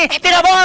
eh tidak boleh